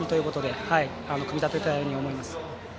ことで組み立てたように思います。